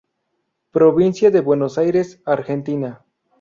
Provincia de Buenos Aires, Argentina.